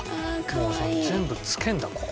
もう全部つけんだここで。